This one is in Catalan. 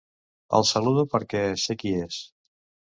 El saludo perquè sé qui és.